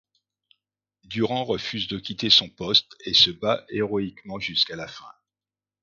Durand refuse de quitter son poste et se bat héroïquement jusqu'à la fin.